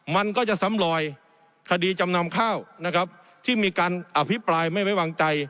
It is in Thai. มันก็จะซ้ำลอยคดีจำนำข้าวนะครับที่มีการอภิปรายไม่ไว้วางใจ